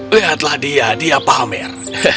lihatlah dia dia pamer